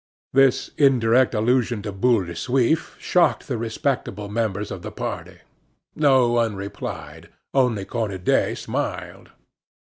This indirect allusion to Boule de Suif shocked the respectable members of the party. No one replied; only Cornudet smiled.